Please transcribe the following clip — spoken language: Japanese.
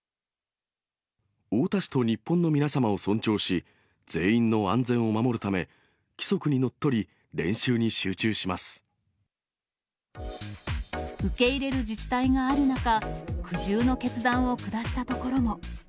太田市と日本の皆様を尊重し、全員の安全を守るため、規則にの受け入れる自治体がある中、苦渋の決断を下した所も。